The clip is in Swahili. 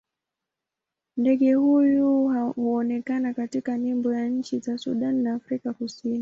Ndege huyu huonekana katika nembo ya nchi za Sudan na Afrika Kusini.